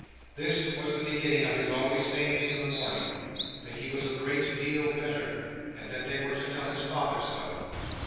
This was the beginning of his always saying in the morning that he was a great deal better, and that they were to tell his father so.